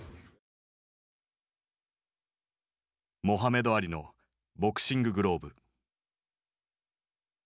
モハメド・アリのボクシンググローブ。